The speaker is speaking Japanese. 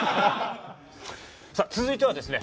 さあ続いてはですね